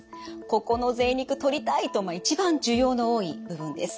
「ここのぜい肉とりたい」と一番需要の多い部分です。